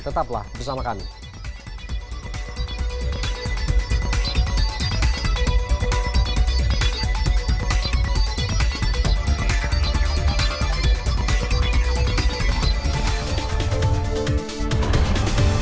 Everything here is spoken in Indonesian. tetaplah bersama kami